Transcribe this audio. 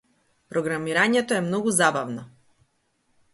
Програмирањето е многу забавно.